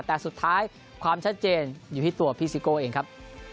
แต่สุดท้ายความชัดเจนอยู่ที่ตัวพี่ซิโก้เองครับ